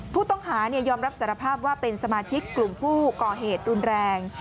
ผู้ต้องหายอมรับสารภาพว่าเป็นสมาชิกกลุ่มผู้ก่อเหตุรุนแรง